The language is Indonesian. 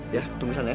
ya tunggu sana ya